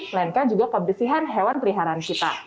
melainkan juga kebersihan hewan peliharaan kita